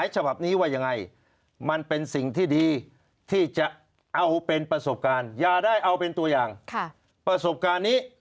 ชีวิตของรองอธิบดี